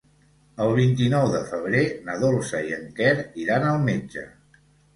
El vint-i-nou de febrer na Dolça i en Quer iran al metge.